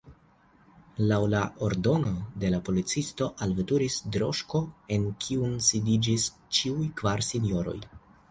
Laŭ la ordono de la policisto alveturis droŝko en kiun sidiĝis ĉiuj kvar sinjoroj.